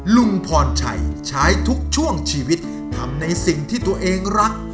ลุงพรชัยใช้ทุกช่วงชีวิตทำในสิ่งที่ตัวเองรัก